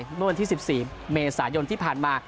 เมื่อวันที่๑๔เมษายนที่ผ่านมา